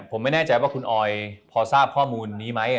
ผมไม่แน่ใจว่าคุณออยพอทราบข้อมูลนี้ไหม